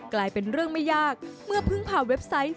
กลายเป็นเรื่องไม่ยากเมื่อพึ่งพาเว็บไซต์